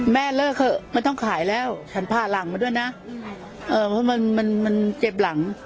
เลิกเถอะไม่ต้องขายแล้วฉันผ่าหลังมาด้วยนะเออเพราะมันมันเจ็บหลัง